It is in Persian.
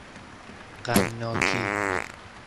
غمناکی